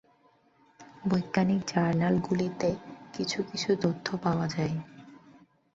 বৈজ্ঞানিক জার্নালগুলিতে কিছু কিছু তথ্য পাওয়া যায়।